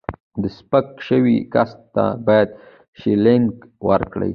د سپک شوي کس ته باید شیلینګ ورکړي.